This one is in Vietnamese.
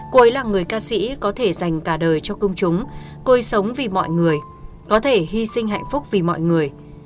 cô ấy là người ca sĩ có thể dành cả đời cho công chúng cô ấy sống vì mọi người có thể hy sinh hạnh phúc vì mọi người